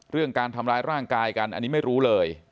การทำร้ายร่างกายกันอันนี้ไม่รู้เลย